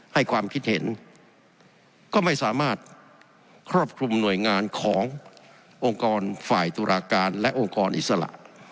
ให้ความคิดเห็นก็ไม่สามารถครอบคลุมหน่วยงานขององค์กรฝ่ายตุลาการและองค์กรอิสระ